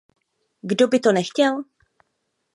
Kdo by to nechtěl?